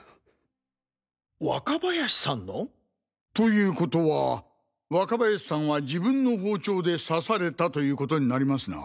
若林さんの？ということは若林さんは自分の包丁で刺されたということになりますな。